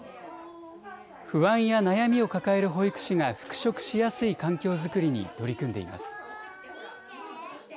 不安や悩みを抱える保育士が復職しやすい環境作りに取り組んでいます。